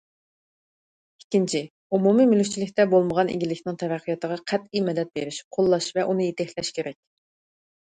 ئىككىنچى، ئومۇمىي مۈلۈكچىلىكتە بولمىغان ئىگىلىكنىڭ تەرەققىياتىغا قەتئىي مەدەت بېرىش، قوللاش ۋە ئۇنى يېتەكلەش كېرەك.